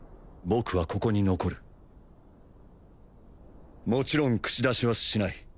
僕はここに残るもちろん口出しはしない